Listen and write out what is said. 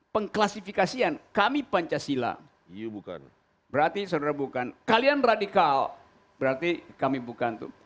pengklasifikasian kami pancasila yuk bukan berarti saudara bukan kalian radikal berarti kami bukan tuh